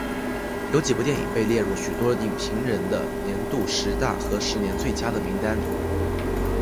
有几部电影被列入许多影评人的年度十大和十年最佳的名单里。